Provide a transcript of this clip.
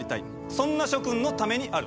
そんな諸君のためにある。